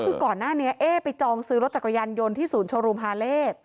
คือก่อนหน้านี้เอ๊ไปจองซื้อรถจักรยานยนต์ที่ศูนย์โชว์รูมฮาเล่